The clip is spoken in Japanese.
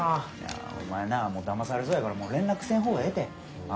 お前なだまされそうやからもう連絡せん方がええて。